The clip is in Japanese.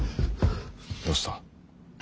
どうした。